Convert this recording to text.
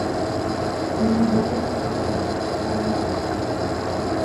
Universitatea Craiova